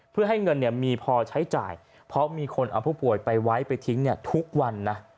เพื่อให้เงินมีพอใช้จ่ายเพราะมีคนเอาผู้ป่วยไปไว้ไปทิ้งทุกวันนะ